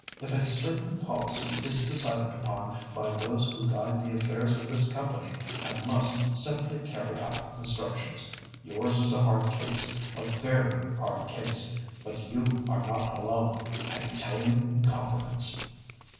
If a certain policy is decided upon by those who guide the affairs of this company, I must simply carry out instructions. Yours is a hard case, a very hard case; but you are not alone, I can tell you in confidence."